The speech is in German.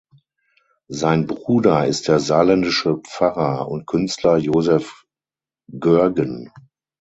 Sein Bruder ist der saarländische Pfarrer und Künstler Josef Goergen.